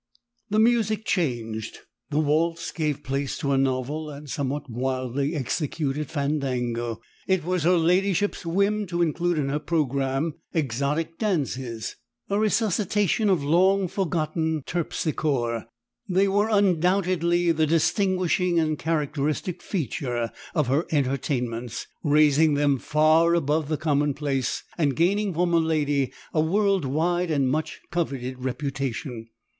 The music changed the waltz gave place to a novel and somewhat wildly executed fandango. It was her ladyship's whim to include in her programme exotic dances; a resuscitation of long forgotten Terpsichore, they were undoubtedly the distinguishing and characteristic features of her entertainments, raising them far above the commonplace, and gaining for miladi a world wide and much coveted reputation.